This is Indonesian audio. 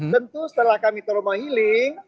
tentu setelah kami trauma healing